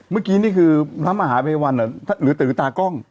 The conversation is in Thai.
เมื่อกี้นี่คือพระมหาภัยวันหรือตือตากล้อง